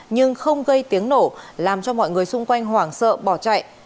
nhưng không gây tiếng nổ làm cho mọi người xung quanh hoảng sợ bỏ chạy